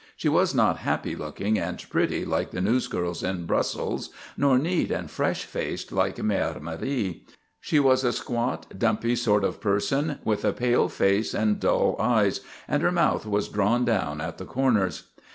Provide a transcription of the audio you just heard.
She was not happy looking and pretty like the newsgirls in Brussels, nor neat and fresh faced like Mère Marie. She was a squat, dumpy sort of person, with a pale face and dull eyes and her mouth was drawn down at the corners.